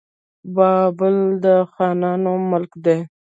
بابل د خانانو ملک دی.